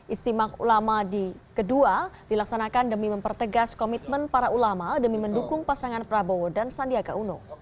istimewa ulama di kedua dilaksanakan demi mempertegas komitmen para ulama demi mendukung pasangan prabowo dan sandiaga uno